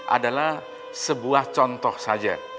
adalah sebuah contoh saja